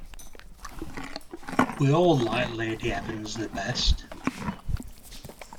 We all liked Lady Evans the best.